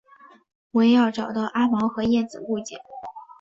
文耀找到阿毛和燕子误解。